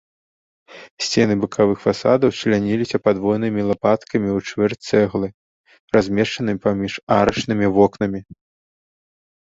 Сцены бакавых фасадаў чляніліся падвойнымі лапаткамі у чвэрць цэглы, размешчанымі паміж арачнымі вокнамі.